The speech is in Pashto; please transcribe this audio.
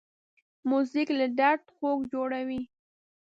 موزیک له درد خوږ جوړوي.